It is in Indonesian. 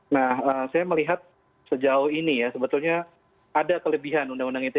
nah saya melihat sejauh ini ya sebetulnya ada kelebihan undang undang ite